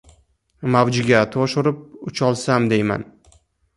Mavjiga to’sh urib, ucholsam, deyman.